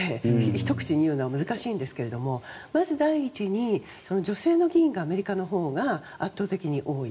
ひと口にいうのは難しいですがまず第一に女性の議員がアメリカのほうが圧倒的に多い。